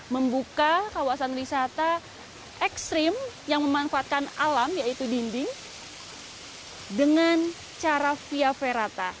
membuka kawasan wisata ekstrim yang memanfaatkan alam yaitu dinding dengan cara via ferata